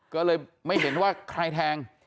ก็เลยไม่เห็นว่าใครแทง